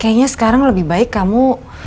kayaknya sekarang lebih baik kamu